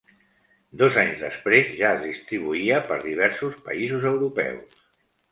Dos anys després ja es distribuïa per diversos països europeus.